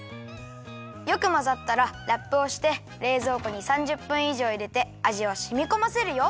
よくまざったらラップをしてれいぞうこに３０ぷんいじょういれてあじをしみこませるよ。